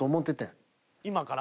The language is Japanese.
今から？